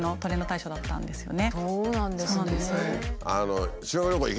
そうなんですね。